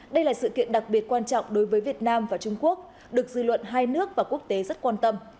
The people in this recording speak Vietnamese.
đây là sự kiện đặc biệt quan trọng đối với việt nam và trung quốc được dư luận hai nước và quốc tế rất quan tâm